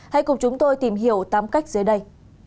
hãy cùng chúng tôi tìm hiểu tám cách dưới đây